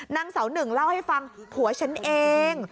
นางเสาหนึ่งเล่าให้ฟังผัวฉันเอง